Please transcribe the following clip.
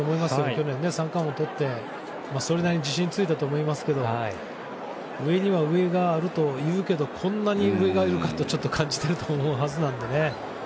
去年、三冠王をとってそれなりに自信がついたと思いますけど上には上があるというけどこんなに上がいるかとちょっと感じてると思うはずなのでね。